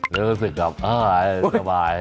รู้สึกต่อไปสบาย